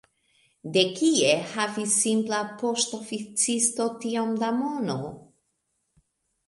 De kie havis simpla poŝtoficisto tiom da mono?